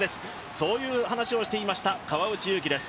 そういう話をしていました川内優輝です。